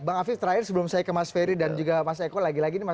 bang afif terakhir sebelum saya ke mas ferry dan juga mas eko lagi lagi